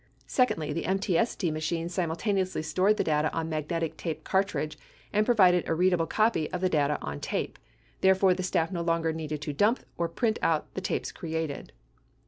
Secondly, the MTST machines simultaneously stored the data on a magnetic tape cartridge and provided a readable copy of the data on tape. Therefore, the staff no longer needed to "dump" or print out the tapes created.